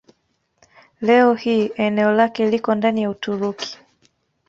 Leo hii eneo lake liko ndani ya Uturuki.